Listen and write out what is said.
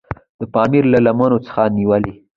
د پامیر له لمنو څخه نیولې.